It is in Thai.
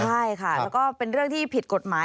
ใช่ค่ะแล้วก็เป็นเรื่องที่ผิดกฎหมาย